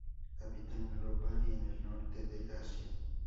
Habita en Europa y en el norte de Asia.